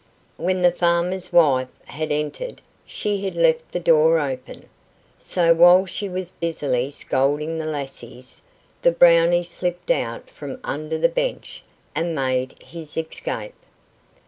When the farmer's wife had entered she had left the door open, so while she was busily scolding the lassies the Brownie slipped out from under the bench and made his escape.